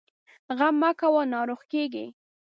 غم مه کوه ، ناروغ کېږې!